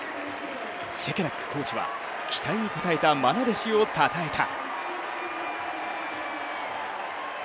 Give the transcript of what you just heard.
シェケラックコーチは期待に応えたまな弟子をたたえた。